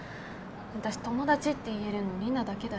私友達って言えるのリナだけだし。